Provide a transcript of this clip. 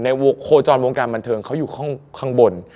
โคจรวงการบันเทิงเขาอยู่ข้างบน